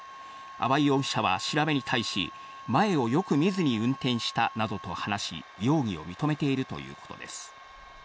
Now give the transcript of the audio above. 粟井容疑者は調べに対し、前をよく見ずに運転したなどと話し、容疑を認めているということです。